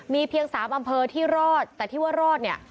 มีเพียง๓อำเภอที่รอดแต่ที่ว่ารอดเนี่ย